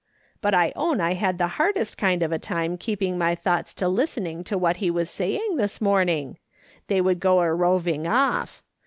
But I own I liad the hardest kind of a time keeping my thoughts to listening to what he was saying this morning ; they would go a roving off.